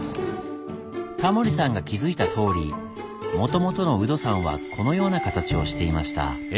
タモリさんが気付いたとおりもともとの有度山はこのような形をしていました。